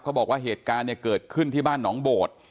บอกว่าเหตุการณ์เนี่ยเกิดขึ้นที่บ้านหนองโบด